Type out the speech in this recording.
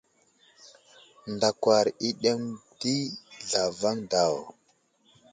Ndakwar i aɗeŋw ɗi zlavaŋ daw.